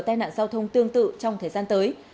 tai nạn giao thông tương tự trong thời gian tới